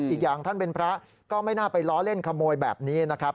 อีกอย่างท่านเป็นพระก็ไม่น่าไปล้อเล่นขโมยแบบนี้นะครับ